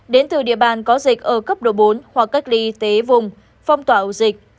đến từ địa bàn có dịch ở cấp độ bốn hoặc cách ly y tế vùng phong tỏa ổ dịch